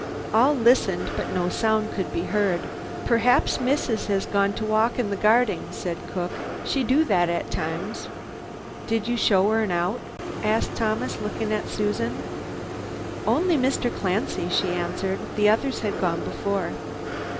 All listened, but no sound could be heard. "Perhaps missus has gone to walk in the garding," said cook, "she do that at times." "Did you show 'ern out?" asked Thomas, looking at Susan. "Only Mr. Clancy," she answered, "the others had gone before.